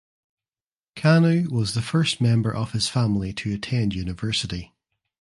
Kanu was the first member of his family to attend university.